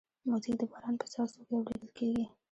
موزیک د باران په څاڅو کې اورېدل کېږي.